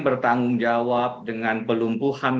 bertanggung jawab dengan pelumpuhan